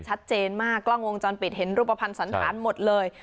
ชัดเจนมากกล้องวงจรปิดเห็นรูปภัณฑ์สันธารหมดเลย